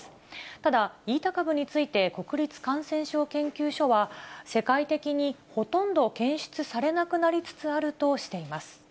ただ、イータ株について国立感染症研究所は、世界的にほとんど検出されなくなりつつあるとしています。